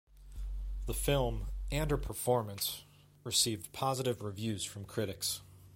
The film, and her performance, received positive reviews from critics.